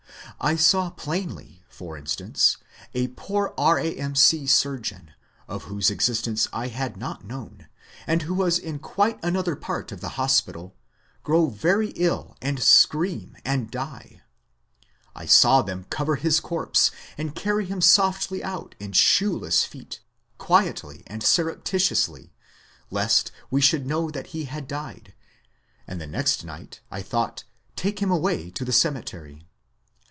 I saw plainly, for instance, a poor R.A.M.C. surgeon, of whose existence I had not known, and who was in quite another part of the hospital, grow very ill and scream and die; I saw them cover his corpse 586 The Outline of Science and carry him softly out in shoeless feet, quietly and sur reptitiously, lest we should know that he had died, and the next night I thought take him away to the cemetery.